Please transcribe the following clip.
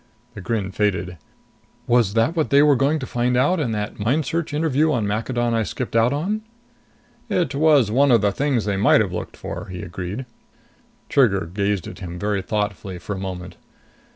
The grin faded. "Was that what they were going to find out in that mind search interview on Maccadon I skipped out on?" "It's one of the things they might have looked for," he agreed. Trigger gazed at him very thoughtfully for a moment.